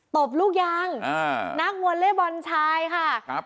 ตบลูกยางนักวอลเล่บอลชายค่ะครับ